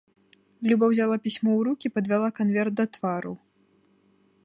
Люба ўзяла пісьмо ў рукі, падвяла канверт да твару.